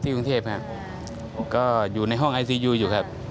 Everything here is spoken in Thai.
กรุงเทพครับก็อยู่ในห้องไอซียูอยู่ครับ